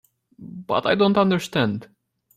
But I don't understand.